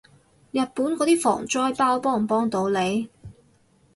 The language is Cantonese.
日本嗰啲防災包幫唔幫到你？